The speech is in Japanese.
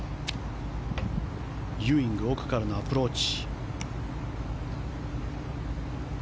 ユーイング奥からのアプローチ。